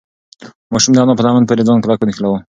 ماشوم د انا په لمن پورې ځان کلک ونښلاوه.